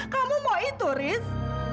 kamu mau itu haris